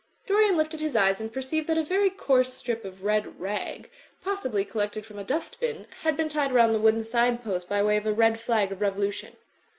Dorian lifted his eyes and perceived that a very coarse strip of red rag, possibly collected from a dust bin, had been tied round the wooden sign post by way of a red flag of revolution.